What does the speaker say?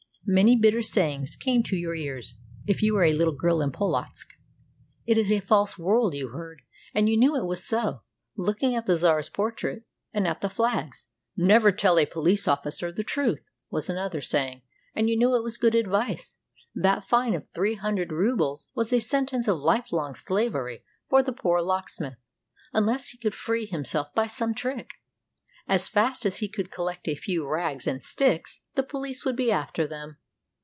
... Many bitter sayings came to your ears if you were a little girl in Polotzk. "It is a false world," you heard, and you knew it was so, looking at the czar's portrait, and at the flags. "Never tell a police officer the truth," was another saying, and you knew it was good advice. That fine of three hundred rubles was a sentence of hfe long slavery for the poor locksmith, unless he could free himself by some trick. As fast as he could collect a few rags and sticks, the police would be after them.